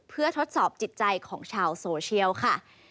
เพื่อทดสอบจิตใจของชาวโซเชียลค่ะ